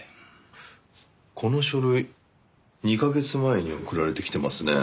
この書類２カ月前に送られてきてますね。